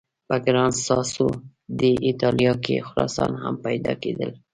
په ګران ساسو ډي ایټالیا کې خرسان هم پیدا کېدل.